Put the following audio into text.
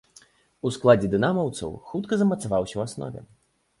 У складзе дынамаўцаў хутка замацаваўся ў аснове.